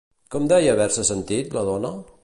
Com deia haver-se sentit, la dona?